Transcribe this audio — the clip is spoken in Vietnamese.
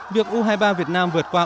việc u hai mươi ba việt nam vượt qua